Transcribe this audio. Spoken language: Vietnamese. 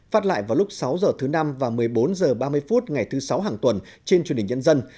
phát lại vào lúc sáu h thứ năm và một mươi bốn h ba mươi phút ngày thứ sáu hàng tuần trên truyền hình nhân dân